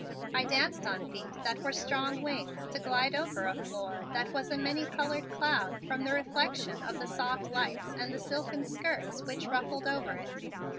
I danced on feet that were strong wings to glide over a floor that was a many colored cloud from the reflection of the soft lights and the silken skirts which ruffled over it.